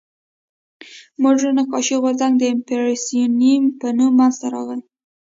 مډرن نقاشي غورځنګ د امپرسیونیېم په نوم منځ ته راغی.